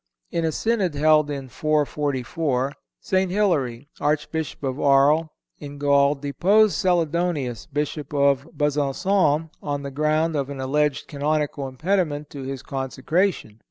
In a Synod held in 444, St. Hilary, Archbishop of Arles, in Gaul, deposed Celidonius, Bishop of Besancon, on the ground of an alleged canonical impediment to his consecration.